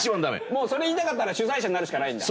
もうそれ言いたかったら主催者になるしかないんだ。